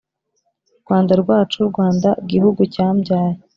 Rwanda rwacu, Rwanda gihugu cyambyaye,